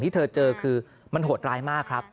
ที่เธอเจอคือมันโหดร้ายมากครับ